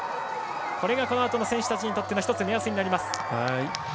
これがこのあとの選手たちにとっての目安になります。